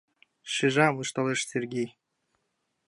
— Шижам! — ышталеш Сергей.